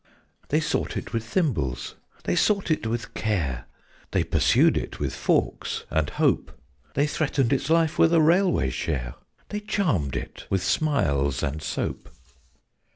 _ They sought it with thimbles, they sought it with care They pursued it with forks and hope; They threatened its life with a railway share; They charmed it with smiles and soap.